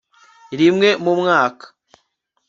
rimwe mu mwaka